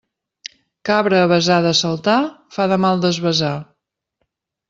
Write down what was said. Cabra avesada a saltar, fa de mal desvesar.